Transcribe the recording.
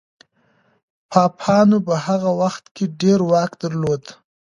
پاپانو په هغه وخت کي ډېر واک درلود.